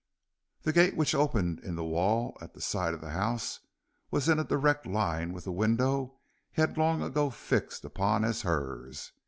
The gate which opened in the wall at the side of the house was in a direct line with the window he had long ago fixed upon as hers.